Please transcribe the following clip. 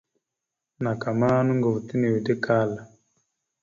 Naaka ma nòŋgov ta nʉʉde kal.